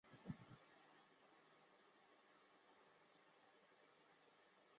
黄光裕现羁押于北京市第二监狱。